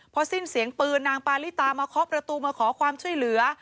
พอสิ้นเสียงปืนนางปาลิตามาเคาะประตูมาขอความช่วยเหลือ